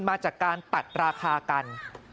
มาจากการตัดราคากัน